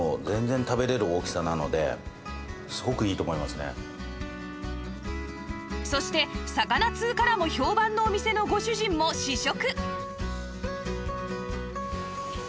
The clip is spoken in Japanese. でもこれはそして魚通からも評判のお店のご主人も試食！